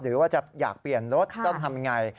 หรือว่าจะอยากเปลี่ยนรถต้องทำอย่างไร